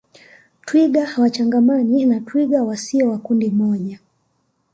Twiga hawachangamani na twiga wasio wa kundi moja